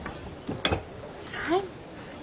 はい。